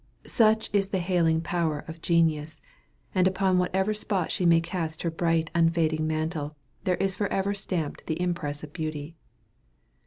Such is the hallowing power of Genius; and upon whatever spot she may cast her bright unfading mantle, there is forever stamped the impress of beauty.